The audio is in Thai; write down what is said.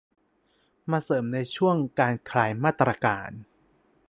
มาเสริมในช่วงการคลายมาตรการ